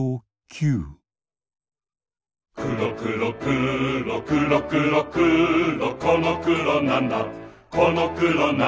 くろくろくろくろくろくろこのくろなんだこのくろなんだ